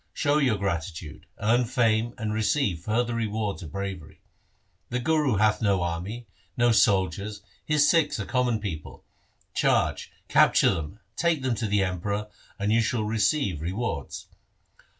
Show your gratitude, earn fame and receive further rewards of bravery. The Guru hath no army, no soldiers, his Sikhs are common people. Charge, capture them, take them to the Emperor, and you shall receive re wards.'